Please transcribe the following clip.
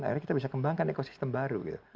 akhirnya kita bisa kembangkan ekosistem baru gitu